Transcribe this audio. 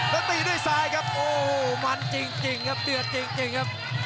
แล้วตีด้วยซ้ายครับโอ้โหมันจริงครับเดือดจริงครับ